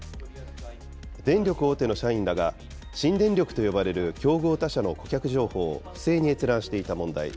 電力大手の社員らが、新電力と呼ばれる競合他社の顧客情報を不正に閲覧していた問題。